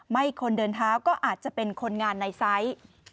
คนเดินเท้าก็อาจจะเป็นคนงานในไซส์